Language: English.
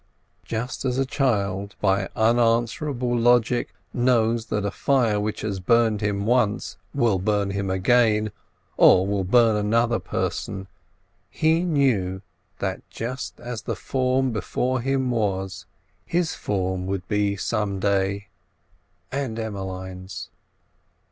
Just as a child by unanswerable logic knows that a fire which has burned him once will burn him again, or will burn another person, he knew that just as the form before him was, his form would be some day—and Emmeline's.